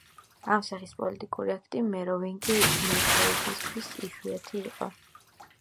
ამ სახის პოლიტიკური აქტი მეროვინგი მეფეებისათვის იშვიათი იყო.